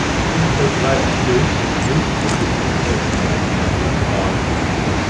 Sie vertreibt Milch und Milchprodukte unter der gleichnamigen Marke.